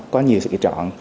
có nhiều sự trọn